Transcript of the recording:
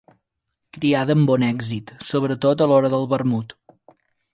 Criada amb bon èxit, sobretot a l'hora del vermut.